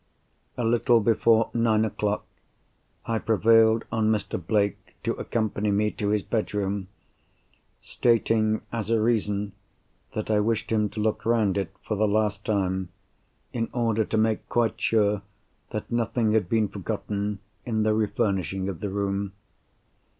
A little before nine o'clock, I prevailed on Mr. Blake to accompany me to his bedroom; stating, as a reason, that I wished him to look round it, for the last time, in order to make quite sure that nothing had been forgotten in the refurnishing of the room.